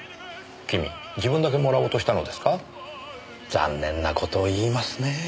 残念な事を言いますねえ。